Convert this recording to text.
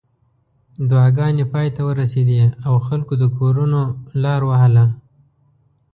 دعاګانې پای ته ورسېدې او خلکو د کورونو لار وهله.